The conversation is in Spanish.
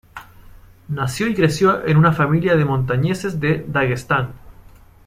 Nació y creció en una familia de montañeses de Daguestán.